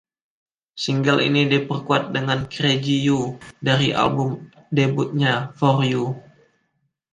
Single ini diperkuat dengan "Crazy You", dari album debutnya, "For You".